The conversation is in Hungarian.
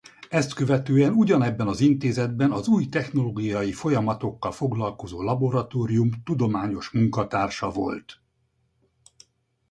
Ezt követően ugyanebben az intézetben az új technológiai folyamatokkal foglalkozó laboratórium tudományos munkatársa volt.